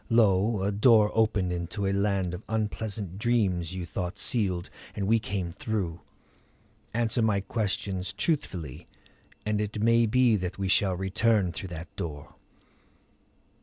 Lo, a door opened into a land of unpleasant dreams you thought sealed, and we came through. Answer my questions truthfully and it may be that we shall return through that door."